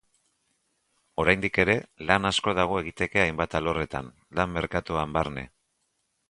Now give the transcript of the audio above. Oraindik ere lan asko dago egiteke hainbat alorretan, lan merkatuan barne.